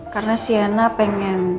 karena siana pengen